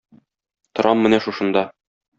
Торам менә шушында.